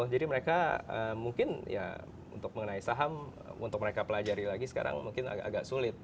jadi mereka mungkin ya untuk mengenai saham untuk mereka pelajari lagi sekarang mungkin agak sulit